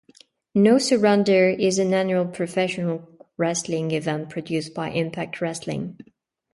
No Surrender is an annual professional wrestling event produced by Impact Wrestling.